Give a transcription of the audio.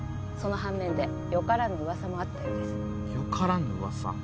その反面でよからぬ噂もあったようですよからぬ噂？